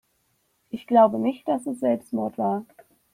Ich glaube nicht, dass es Selbstmord war.